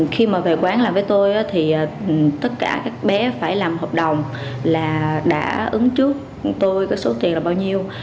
khi mà về quán làm với tôi thì tất cả các bé phải làm hợp đồng là đã ứng trước tôi có số tiền là bao nhiêu